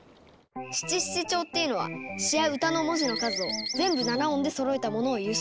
七七調っていうのは詩や歌の文字の数を全部７音でそろえたものをいうそうです。